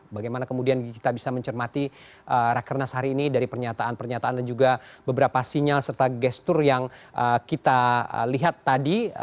bagaimana kemudian kita bisa mencermati rakernas hari ini dari pernyataan pernyataan dan juga beberapa sinyal serta gestur yang kita lihat tadi